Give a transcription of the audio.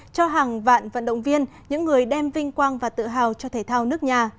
cho hàng vạn vận động viên những người đem vinh quang và tự hào cho thể thao nước nhà